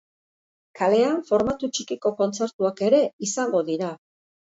Kalean formatu txikiko kontzertuak ere izango dira.